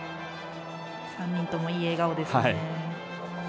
３人とも、いい笑顔ですね。